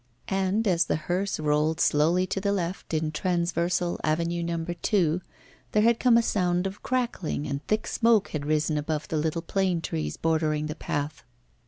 And, as the hearse rolled slowly to the left in transversal Avenue No. 2, there had come a sound of crackling, and thick smoke had risen above the little plane trees bordering the path.